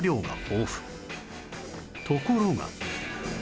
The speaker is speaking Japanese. ところが